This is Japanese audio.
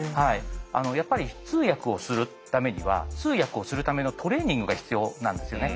やっぱり通訳をするためには通訳をするためのトレーニングが必要なんですよね。